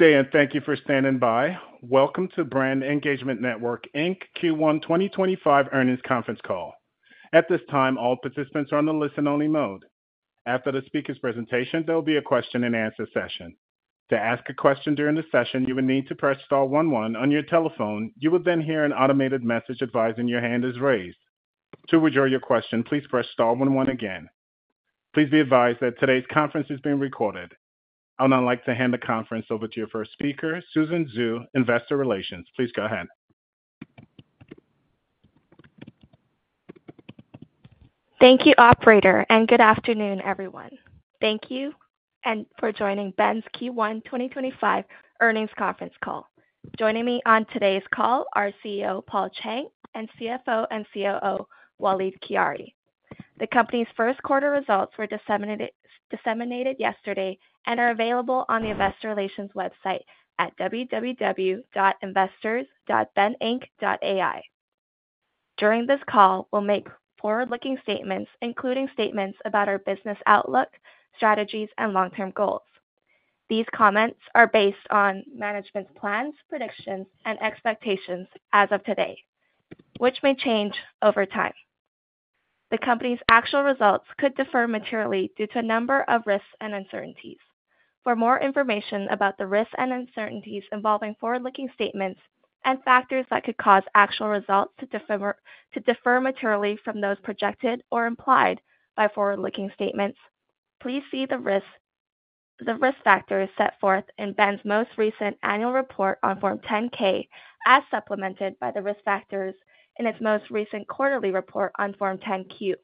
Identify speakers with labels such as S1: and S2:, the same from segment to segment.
S1: Good day, and thank you for standing by. Welcome to Brand Engagement Network Q1 2025 Earnings Conference Call. At this time, all participants are on the listen-only mode. After the speaker's presentation, there will be a question-and-answer session. To ask a question during the session, you will need to press star one one on your telephone. You will then hear an automated message advising your hand is raised. To withdraw your question, please press star one one again. Please be advised that today's conference is being recorded. I would now like to hand the conference over to your first speaker, Susan Xu, Investor Relations. Please go ahead.
S2: Thank you, Operator, and good afternoon, everyone. Thank you for joining BEN's Q1 2025 Earnings Conference Call. Joining me on today's call are CEO Paul Chang and CFO and COO Walid Khiari. The company's 1st quarter results were disseminated yesterday and are available on the investor relations website at www.investors.beninc.ai. During this call, we'll make forward-looking statements, including statements about our business outlook, strategies, and long-term goals. These comments are based on management's plans, predictions, and expectations as of today, which may change over time. The company's actual results could differ materially due to a number of risks and uncertainties. For more information about the risks and uncertainties involving forward-looking statements and factors that could cause actual results to differ materially from those projected or implied by forward-looking statements, please see the risk factors set forth in BEN's most recent annual report on Form 10-K, as supplemented by the risk factors in its most recent quarterly report on Form 10-Q.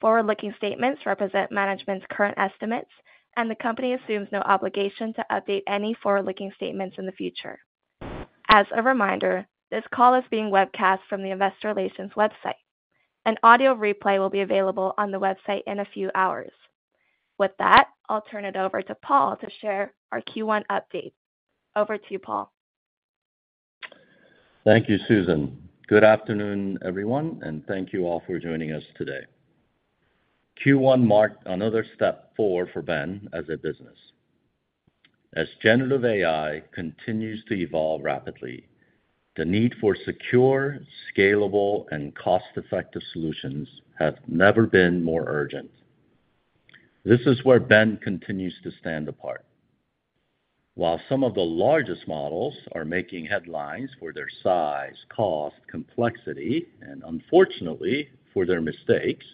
S2: Forward-looking statements represent management's current estimates, and the company assumes no obligation to update any forward-looking statements in the future. As a reminder, this call is being webcast from the investor relations website. An audio replay will be available on the website in a few hours. With that, I'll turn it over to Paul to share our Q1 update. Over to you, Paul.
S3: Thank you, Susan. Good afternoon, everyone, and thank you all for joining us today. Q1 marked another step forward for BEN as a business. As generative AI continues to evolve rapidly, the need for secure, scalable, and cost-effective solutions has never been more urgent. This is where BEN continues to stand apart. While some of the largest models are making headlines for their size, cost, complexity, and unfortunately, for their mistakes,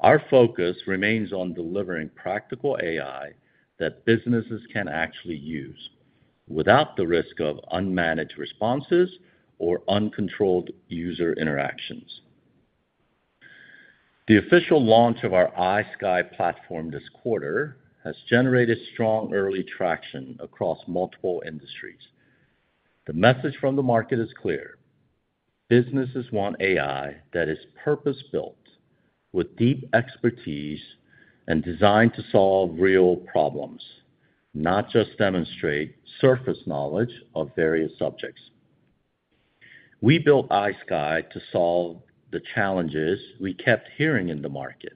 S3: our focus remains on delivering practical AI that businesses can actually use without the risk of unmanaged responses or uncontrolled user interactions. The official launch of our iSKYE platform this quarter has generated strong early traction across multiple industries. The message from the market is clear: businesses want AI that is purpose-built, with deep expertise, and designed to solve real problems, not just demonstrate surface knowledge of various subjects. We built iSKYE to solve the challenges we kept hearing in the market: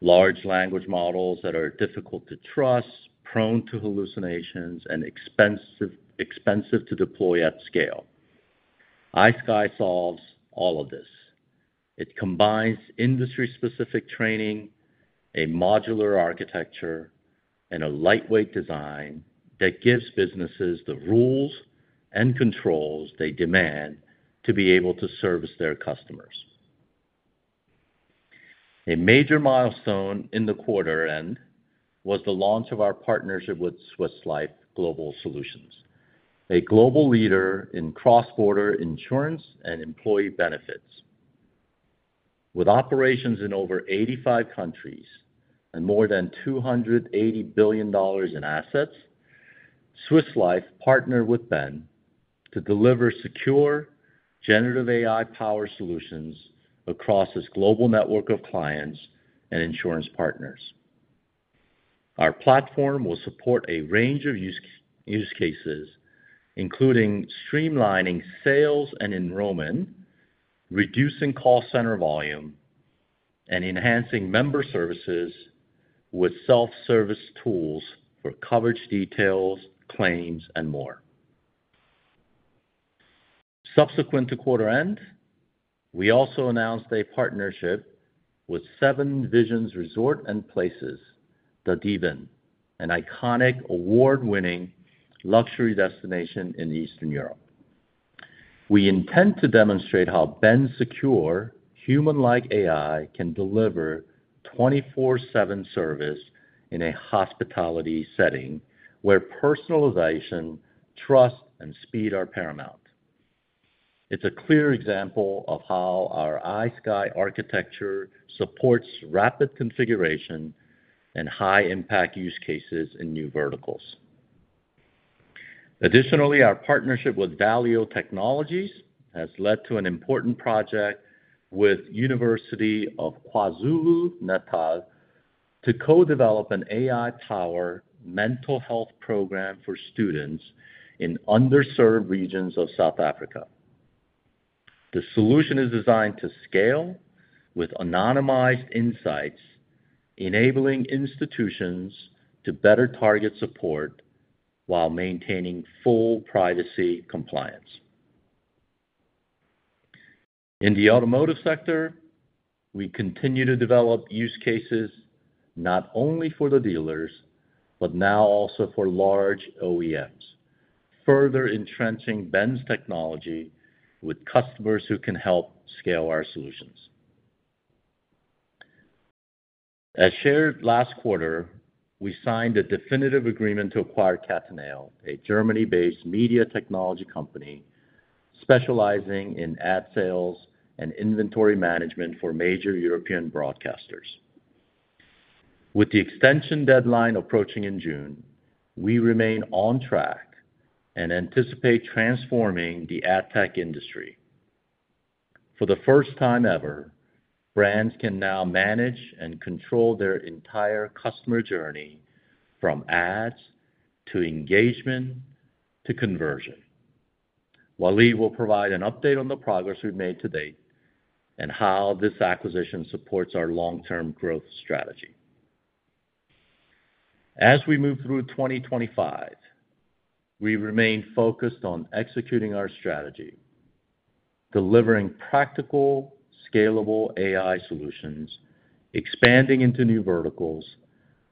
S3: large language models that are difficult to trust, prone to hallucinations, and expensive to deploy at scale. iSKYE solves all of this. It combines industry-specific training, a modular architecture, and a lightweight design that gives businesses the rules and controls they demand to be able to service their customers. A major milestone in the quarter-end was the launch of our partnership with Swiss Life Global Solutions, a global leader in cross-border insurance and employee benefits. With operations in over 85 countries and more than $280 billion in assets, Swiss Life partnered with Brand Engagement Network to deliver secure, generative AI-powered solutions across its global network of clients and insurance partners. Our platform will support a range of use cases, including streamlining sales and enrollment, reducing call center volume, and enhancing member services with self-service tools for coverage details, claims, and more. Subsequent to quarter-end, we also announced a partnership with Seven Visions Resort & Places, The Dvin, an iconic award-winning luxury destination in Eastern Europe. We intend to demonstrate how BEN's secure, human-like AI can deliver 24/7 service in a hospitality setting where personalization, trust, and speed are paramount. It's a clear example of how our iSKYE architecture supports rapid configuration and high-impact use cases in new verticals. Additionally, our partnership with Valio Technologies has led to an important project with the University of KwaZulu-Natal to co-develop an AI-powered mental health program for students in underserved regions of South Africa. The solution is designed to scale with anonymized insights, enabling institutions to better target support while maintaining full privacy compliance.In the automotive sector, we continue to develop use cases not only for the dealers, but now also for large OEMs, further entrenching BEN's technology with customers who can help scale our solutions. As shared last quarter, we signed a definitive agreement to acquire Catanelle, a Germany-based media technology company specializing in ad sales and inventory management for major European broadcasters. With the extension deadline approaching in June, we remain on track and anticipate transforming the ad tech industry. For the first time ever, brands can now manage and control their entire customer journey from ads to engagement to conversion. Walid will provide an update on the progress we've made to date and how this acquisition supports our long-term growth strategy. As we move through 2025, we remain focused on executing our strategy, delivering practical, scalable AI solutions, expanding into new verticals,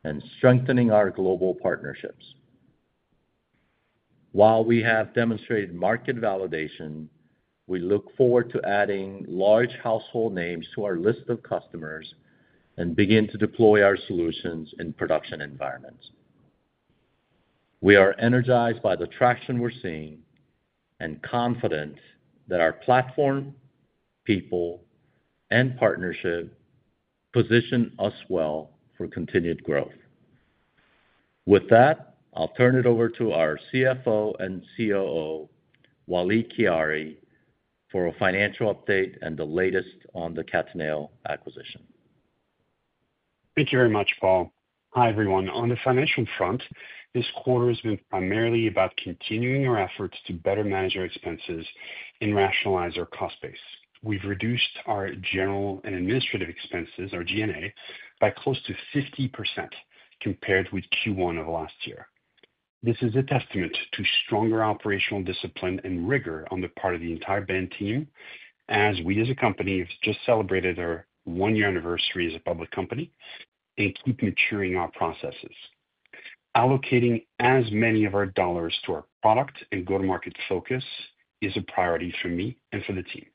S3: and strengthening our global partnerships. While we have demonstrated market validation, we look forward to adding large household names to our list of customers and begin to deploy our solutions in production environments. We are energized by the traction we're seeing and confident that our platform, people, and partnership position us well for continued growth. With that, I'll turn it over to our CFO and COO, Walid Khiari, for a financial update and the latest on the Catanelle acquisition.
S4: Thank you very much, Paul. Hi, everyone. On the financial front, this quarter has been primarily about continuing our efforts to better manage our expenses and rationalize our cost base. We've reduced our general and administrative expenses, our G&A, by close to 50% compared with Q1 of last year. This is a testament to stronger operational discipline and rigor on the part of the entire BEN team, as we, as a company, have just celebrated our one-year anniversary as a public company and keep maturing our processes. Allocating as many of our dollars to our product and go-to-market focus is a priority for me and for the team.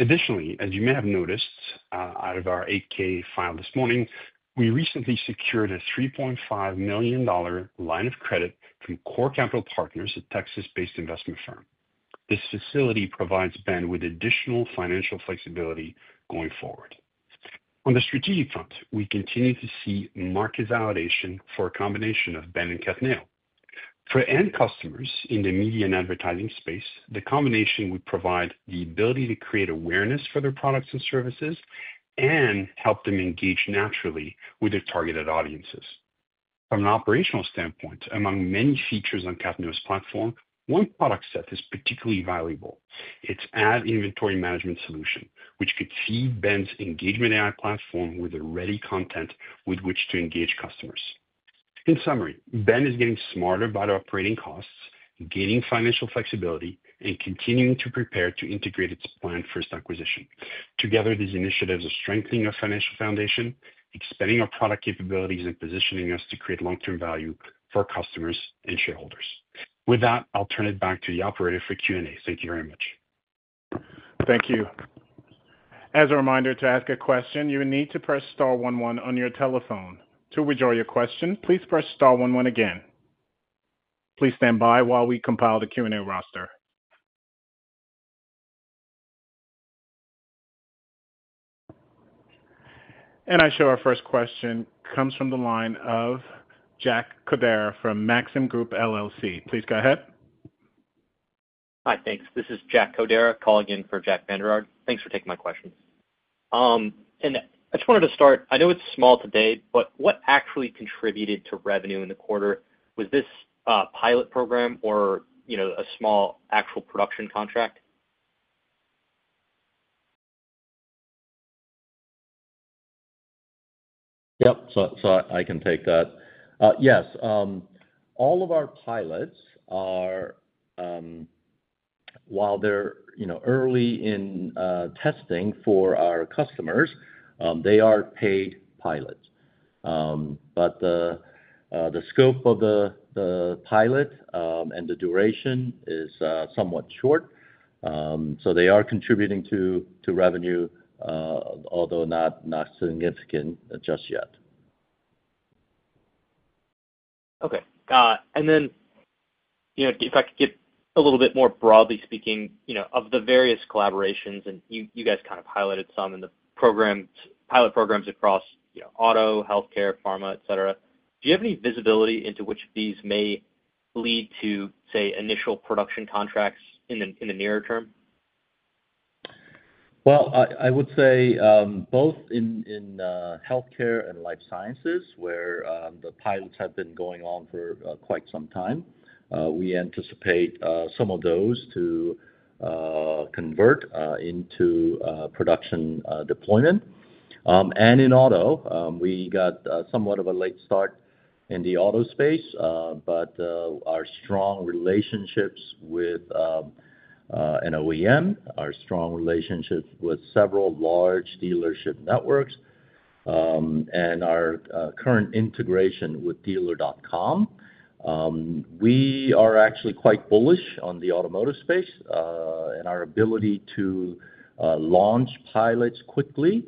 S4: Additionally, as you may have noticed out of our 8K file this morning, we recently secured a $3.5 million line of credit from Core Capital Partners, a Texas-based investment firm. This facility provides BEN with additional financial flexibility going forward. On the strategic front, we continue to see market validation for a combination of BEN and Catanelle. For end customers in the media and advertising space, the combination would provide the ability to create awareness for their products and services and help them engage naturally with their targeted audiences. From an operational standpoint, among many features on Catanelle's platform, one product set is particularly valuable: its ad inventory management solution, which could feed BEN's engagement AI platform with the ready content with which to engage customers. In summary, BEN is getting smarter about operating costs, gaining financial flexibility, and continuing to prepare to integrate its planned first acquisition. Together, these initiatives are strengthening our financial foundation, expanding our product capabilities, and positioning us to create long-term value for our customers and shareholders. With that, I'll turn it back to the operator for Q&A. Thank you very much.
S1: Thank you. As a reminder, to ask a question, you will need to press star one one on your telephone. To withdraw your question, please press star one one again. Please stand by while we compile the Q&A roster. I show our first question comes from the line of Jack Codera from Maxim Group LLC. Please go ahead.
S5: Hi, thanks. This is Jack Codera calling in for Jack Vander Aarde. Thanks for taking my question. I just wanted to start, I know it's small today, but what actually contributed to revenue in the quarter? Was this pilot program or a small actual production contract?
S3: Yep, so I can take that. Yes, all of our pilots are, while they're early in testing for our customers, they are paid pilots. The scope of the pilot and the duration is somewhat short, so they are contributing to revenue, although not significant just yet.
S5: Okay. If I could get a little bit more broadly speaking of the various collaborations, and you guys kind of highlighted some in the pilot programs across auto, healthcare, pharma, etc., do you have any visibility into which of these may lead to, say, initial production contracts in the near term?
S3: I would say both in healthcare and life sciences, where the pilots have been going on for quite some time, we anticipate some of those to convert into production deployment. In auto, we got somewhat of a late start in the auto space, but our strong relationships with an OEM, our strong relationships with several large dealership networks, and our current integration with Dealer.com, we are actually quite bullish on the automotive space. Our ability to launch pilots quickly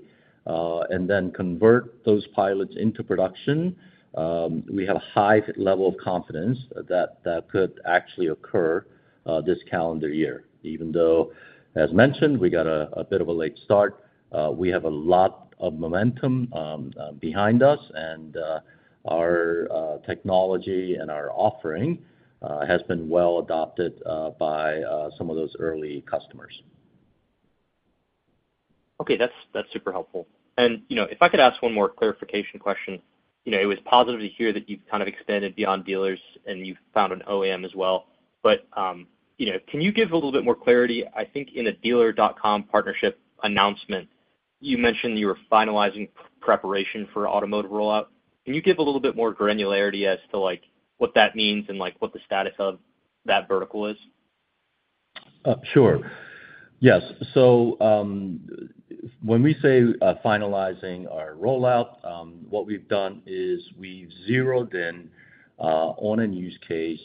S3: and then convert those pilots into production, we have a high level of confidence that that could actually occur this calendar year. Even though, as mentioned, we got a bit of a late start, we have a lot of momentum behind us, and our technology and our offering has been well adopted by some of those early customers.
S5: Okay, that's super helpful. If I could ask one more clarification question, it was positive to hear that you've kind of expanded beyond dealers and you've found an OEM as well. Can you give a little bit more clarity? I think in a Dealer.com partnership announcement, you mentioned you were finalizing preparation for automotive rollout. Can you give a little bit more granularity as to what that means and what the status of that vertical is?
S3: Sure. Yes. When we say finalizing our rollout, what we've done is we've zeroed in on a use case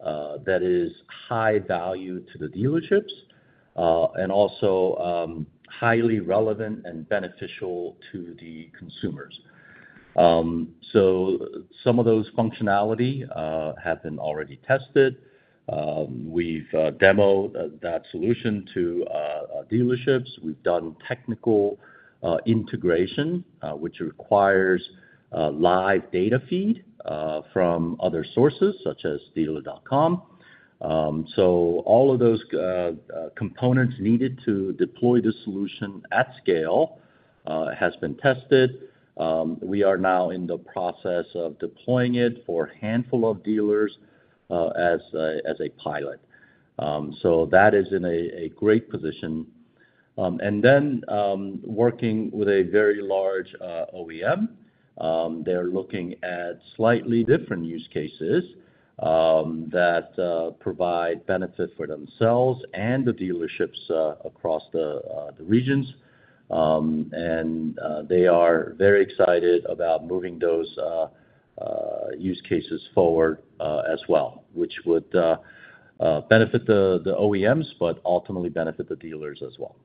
S3: that is high value to the dealerships and also highly relevant and beneficial to the consumers. Some of those functionalities have been already tested. We've demoed that solution to dealerships. We've done technical integration, which requires live data feed from other sources such as Dealer.com. All of those components needed to deploy the solution at scale have been tested. We are now in the process of deploying it for a handful of dealers as a pilot. That is in a great position. Then working with a very large OEM, they're looking at slightly different use cases that provide benefit for themselves and the dealerships across the regions. They are very excited about moving those use cases forward as well, which would benefit the OEMs but ultimately benefit the dealers as well.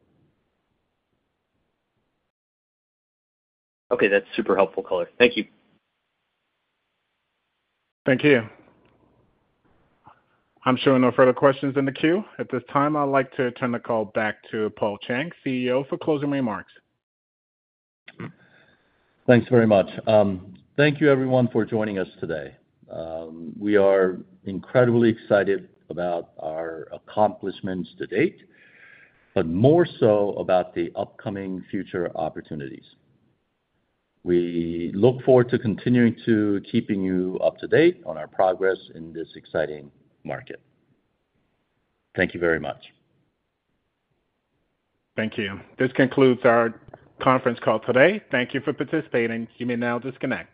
S5: Okay, that's super helpful, caller. Thank you.
S1: Thank you. I'm showing no further questions in the queue. At this time, I'd like to turn the call back to Paul Chang, CEO, for closing remarks.
S3: Thanks very much. Thank you, everyone, for joining us today. We are incredibly excited about our accomplishments to date, but more so about the upcoming future opportunities. We look forward to continuing to keep you up to date on our progress in this exciting market. Thank you very much.
S1: Thank you. This concludes our conference call today. Thank you for participating. You may now disconnect.